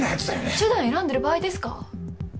手段選んでる場合ですか？